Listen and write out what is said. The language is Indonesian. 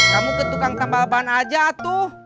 kamu ke tukang tambah ban aja tuh